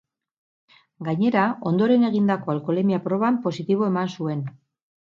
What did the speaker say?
Gainera, ondoren egindako alkoholemia-proban positibo eman zuen.